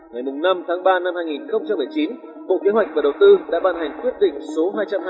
ngày năm tháng ba năm hai nghìn một mươi chín bộ kế hoạch và đầu tư đã ban hành quyết định số hai trăm hai mươi